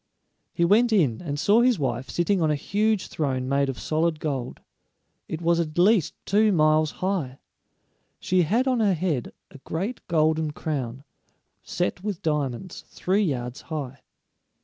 He went in, and saw his wife sitting on a huge throne made of solid gold. It was at least two miles high. She had on her head a great golden crown, set with diamonds, three yards high.